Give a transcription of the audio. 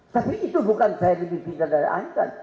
tapi itu bukan saya lebih cinta dari einstein